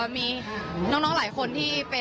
ก็ไม่มีแรงโรงสาธิการบี่ใบ